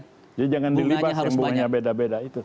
jadi jangan dilibatkan bunganya beda beda itu